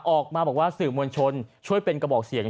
ออกมาบอกว่าสื่อมวลชนช่วยเป็นกระบอกเสียง